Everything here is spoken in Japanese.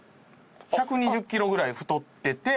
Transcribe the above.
１２０キロぐらい太ってて。